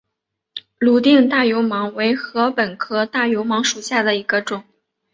泸定大油芒为禾本科大油芒属下的一个种。